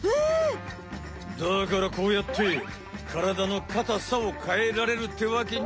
だからこうやってからだのかたさを変えられるってわけなのよん。